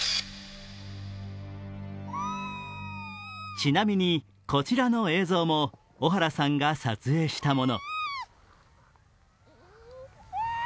ちなみにこちらの映像も小原さんが撮影したもの。